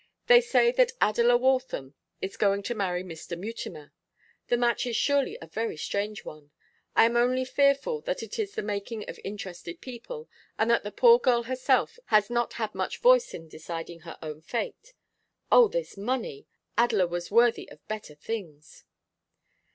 They say that Adela Waltham is going to marry Mr. Mutimer. The match is surely a very strange one. I am only fearful that it is the making of interested people, and that the poor girl herself has not had much voice in deciding her own fate. Oh, this money! Adela was worthy of better things.